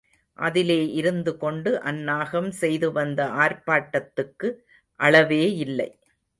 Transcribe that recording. அதிலே இருந்துகொண்டு அந்நாகம் செய்து வந்த ஆர்ப்பாட்டத்துக்கு அளவேயில்லை.